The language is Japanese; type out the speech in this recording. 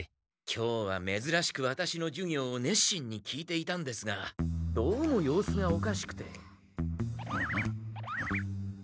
今日はめずらしくワタシの授業をねっしんに聞いていたんですがどうも様子がおかしくて。